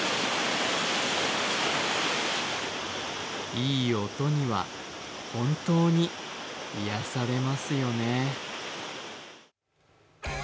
いい音には本当に癒やされますよね。